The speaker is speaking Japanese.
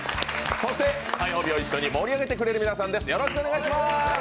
そして火曜日を一緒に盛り上げてくれる皆さんです。